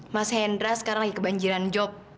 mas hendra sekarang lagi kebanjiran job